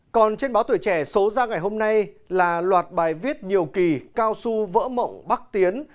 còn trên báo tuổi trẻ số ra ngày hôm nay là loạt bài viết nhiều kỳ cao su vỡ mộng bắc tiến